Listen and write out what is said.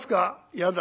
「やだ」。